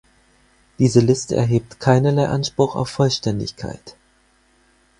Diese Liste erhebt keinerlei Anspruch auf Vollständigkeit.